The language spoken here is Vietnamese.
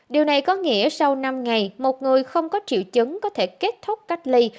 điều này có nghĩa sau năm ngày một người không có triệu chứng có thể kết thúc cách ly